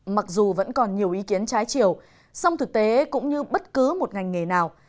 mặc dù vẫn còn nhiều ý kiến trái chiều song thực tế cũng như bất cứ một ngành nghề nào